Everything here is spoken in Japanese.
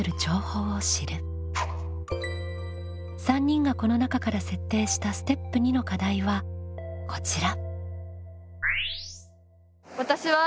３人がこの中から設定したステップ２の課題はこちら。